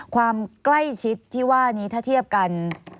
ความใกล้ชิดที่ว่านี้ถ้าเทียบกัน